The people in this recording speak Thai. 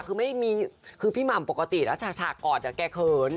คือไม่มีคือพี่หม่ำปกติแล้วฉากกอดแกเขิน